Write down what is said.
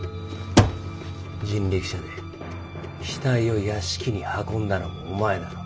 人力車で死体を屋敷に運んだのもお前だろう。